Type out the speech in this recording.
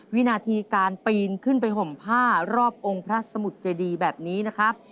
วินาทีการปีนขึ้นไปห่มผ้ารอบองค์พระสมุทรเจดีแบบนี้นะครับ